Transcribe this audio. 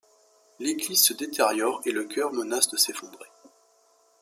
L’église se détériore et le chœur menace de s’effondrer.